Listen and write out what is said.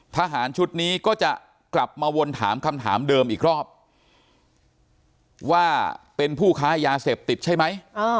ทหารชุดนี้ก็จะกลับมาวนถามคำถามเดิมอีกรอบว่าเป็นผู้ค้ายาเสพติดใช่ไหม